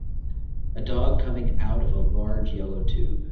A dog coming out of a large yellow tube.